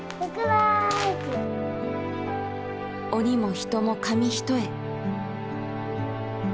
鬼も人も紙一重。